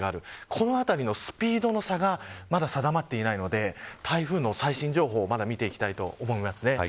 このあたりのスピードの差がまだ定まっていないので台風の最新情報を見ていきたいと思います。